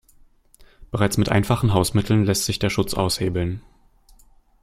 Bereits mit einfachen Hausmitteln lässt sich der Schutz aushebeln.